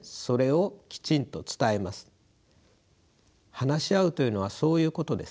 話し合うというのはそういうことです。